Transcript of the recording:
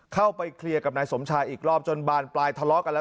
เข้าไปเคลียร์กับนายสมชายอีกรอบจนบานปลายทะเลาะกันแล้ว